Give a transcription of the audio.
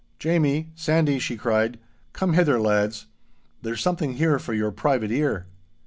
'Jamie, Sandy,' she cried, 'come hither, lads. There's something here for your private ear!